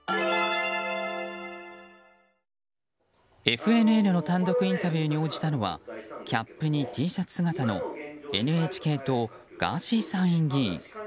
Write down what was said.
ＦＮＮの単独インタビューに応じたのはキャップにＴシャツ姿のＮＨＫ党、ガーシー参院議員。